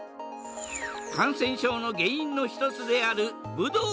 感染症の原因の一つであるブドウ